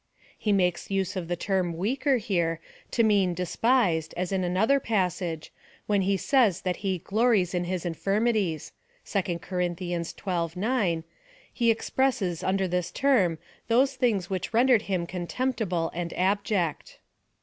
He makes use of the term weaker here, to mean despised, as in another passage, w^hen he says that he glo7'ies in his infirmities, (2 Cor. xii. 9,) he expresses, under this term, those things which rendered him contemptible and abject.